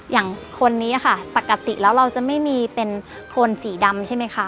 อย่างคนนี้ค่ะปกติแล้วเราจะไม่มีเป็นโครนสีดำใช่ไหมคะ